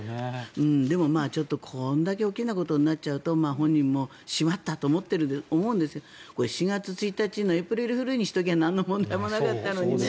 でもこれだけ大きなことになっちゃうと本人もしまったと思ってると思うんですけどこれ、４月１日のエープリルフールにしておけば何も問題なかったのにね。